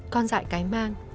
con dại cái mang